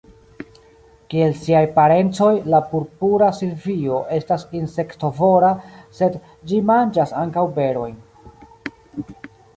Kiel siaj parencoj, la Purpura silvio estas insektovora, sed ĝi manĝas ankaŭ berojn.